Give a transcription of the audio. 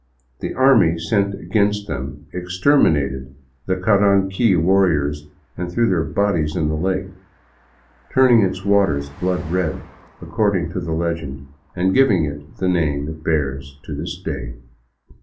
The army sent against them exterminated the Caranqui warriors and threw their bodies into the lake, " turning its waters blood red," according to the legend, and giving it the name it bears to this day.